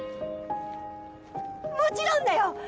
もちろんだよ！